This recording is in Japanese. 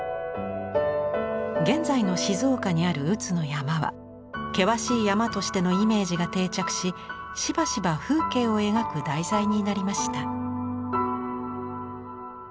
現在の静岡にある宇津の山は険しい山としてのイメージが定着ししばしば風景を描く題材になりました。